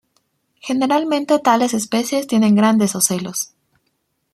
Generalmente tales especies tienen grandes ocelos.